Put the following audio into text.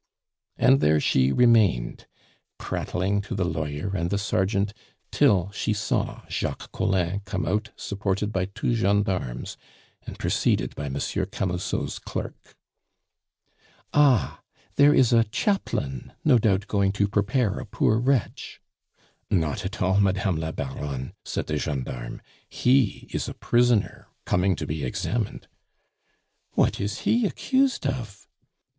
And there she remained, prattling to the lawyer and the sergeant, till she saw Jacques Collin come out supported by two gendarmes, and preceded by Monsieur Camusot's clerk. "Ah, there is a chaplain no doubt going to prepare a poor wretch " "Not at all, Madame la Baronne," said the gendarme. "He is a prisoner coming to be examined." "What is he accused of?"